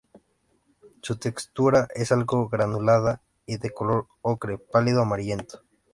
Su textura es algo granulada y de color ocre pálido amarillento.